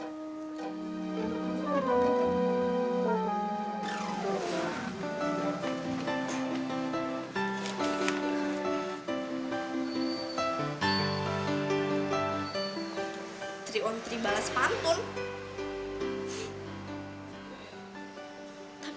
tidak tidak tidak